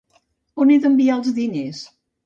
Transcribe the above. On he d'enviar els diners?